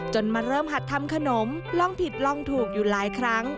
มาเริ่มหัดทำขนมลองผิดลองถูกอยู่หลายครั้ง